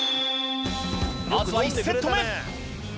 まずは１セット目。